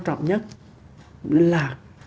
trọng nhất là